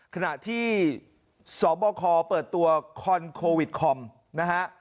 ขณะที่สบคเปิดตัวคอนโควิดคอมนะฮะ